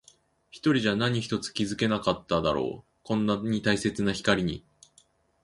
一人じゃ何一つ気づけなかっただろう。こんなに大切な光に。